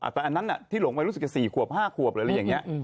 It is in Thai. แต่อันนั้นที่หลงไปรู้สึกจะ๔ขวบ๕ขวบหรืออะไรอย่างนี้